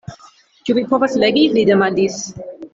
Ĉu vi povas legi? li demandis.